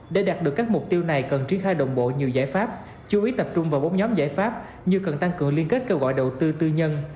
để đạt được các mục tiêu này cần triển khai đồng bộ nhiều giải pháp chú ý tập trung vào bốn nhóm giải pháp như cần tăng cường liên kết kêu gọi đầu tư tư nhân